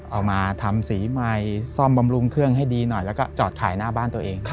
เอามาทำสีใหม่ซ่อมบำรุงเครื่องให้ดีหน่อยแล้วก็จอดขายหน้าบ้านตัวเอง